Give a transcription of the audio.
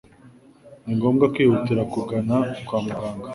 ni ngombwa kwihutira kugana kwa muganga.